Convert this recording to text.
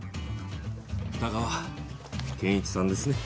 二川研一さんですね。